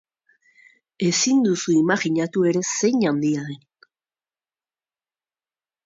Ezin duzu imajinatu ere zein handia den.